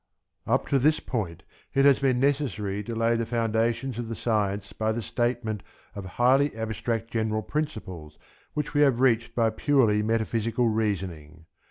Up to this point it has been necessary to lay the foundations of the science by the statement of highly abstract general principles which we have reached by purely metaphysical reasoning.